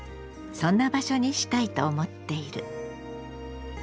そんな場所にしたいと思っている。